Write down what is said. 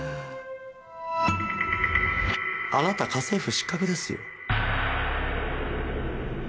あなた家政婦失格ですよ。